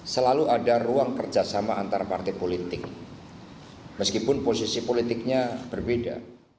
selalu ada ruang kerjasama antar partai politik meskipun posisi politiknya berbeda